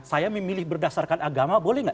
saya memilih berdasarkan agama boleh nggak